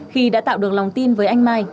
khi đã tạo được lòng tin với anh mai